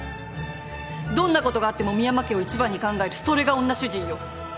どんなことがあっても深山家を一番に考えるそれが女主人よ。